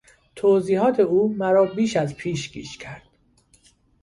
توضیحات او مرا بیش از پیش گیج کرد.